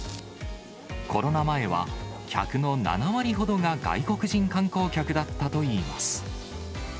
コロナ前は、客の７割ほどが外国人観光客だったといいます。